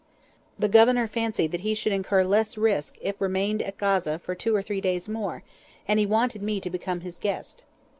The Governor fancied that he should incur less risk if remained at Gaza for two or three days more, and he wanted me to become his guest.